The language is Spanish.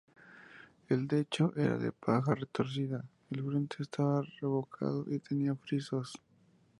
El techo era de paja retorcida, el frente estaba revocado y tenía frisos.